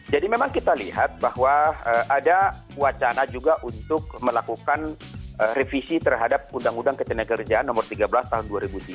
jadi memang kita lihat bahwa ada wacana juga untuk melakukan revisi terhadap undang undang ketenagakerjaan no tiga belas tahun dua ribu tiga